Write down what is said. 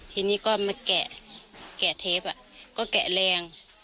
ทีนี้ก็มาแกะแกะเทปก็แกะแรง